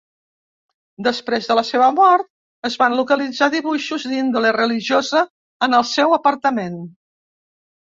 Després de la seva mort, es van localitzar dibuixos d'índole religiosa en el seu apartament.